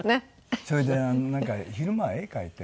それでなんか昼間は絵描いてるんで。